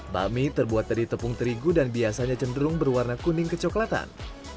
bakmi terbuat dari tepung terigu dan biasanya cenderung berwarna kuning kecoklatan